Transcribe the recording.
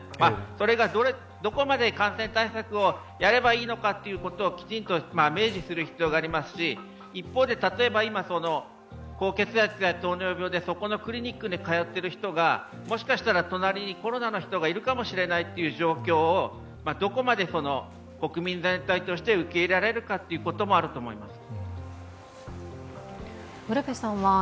それがどこまで感染対策をやればいいのかっていうことをきちんと明示する必要がありますし、一方で、例えば今、高血圧や糖尿病でそこのクリニックに通っている人がもしかしたら隣、コロナの人がいるかもしれないっていう状況をどこまで国民全体として受け入れられるかということもあると思います。